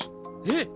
えっ！？